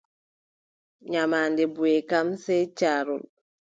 Nyamaande buʼe kam, sey caarol.